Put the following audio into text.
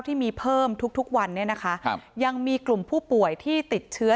ที่มีเพิ่มทุกวันนี้นะคะครับยังมีกลุ่มผู้ป่วยที่ติดเชื้อ